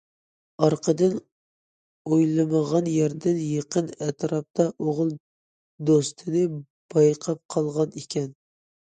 ئارقىدىن، ئويلىمىغان يەردىن يېقىن ئەتراپتا ئوغۇل دوستىنى بايقاپ قالغان ئىكەن.